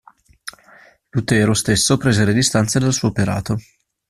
Lutero stesso prese le distanze dal suo operato.